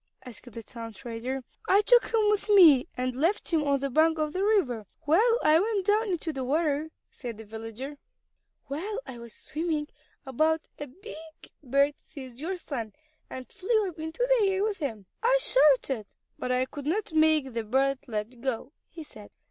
asked the town trader. "I took him with me and left him on the bank of the river while I went down into the water," said the villager. "While I was swimming about a big bird seized your son, and flew up into the air with him. I shouted, but I could not make the bird let go," he said.